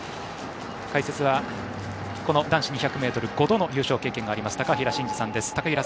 解説は、男子２００ｍ５度の優勝経験があります高平慎士さんです。